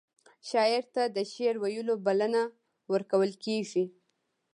شاعر ته د شعر ویلو بلنه ورکول کیږي.